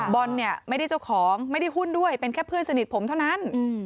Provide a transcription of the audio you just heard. บอลเนี่ยไม่ได้เจ้าของไม่ได้หุ้นด้วยเป็นแค่เพื่อนสนิทผมเท่านั้น